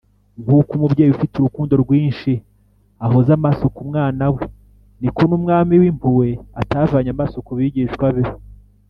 nk’uko umubyeyi ufite urukundo rwinshi ahoza amaso ku mwana we, niko n’umwami w’impuhwe atavanye amaso ku bigishwa be